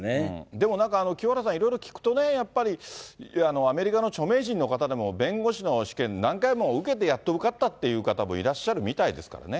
でもなんか、清原さん、いろいろ聞くとね、アメリカの著名人の方でも、弁護士の試験何回も受けて、やっと受かったという方もいらっしゃるみたいですからね。